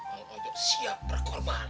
mang ojo siap berkorban